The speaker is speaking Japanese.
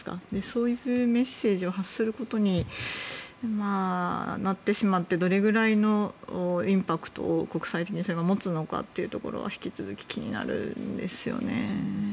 そういうメッセージを発することになってしまってどれぐらいのインパクトを国際社会が持つのかというところが引き続き、気になるんですよね。